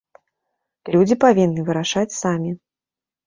Людзі павінны вырашаць самі.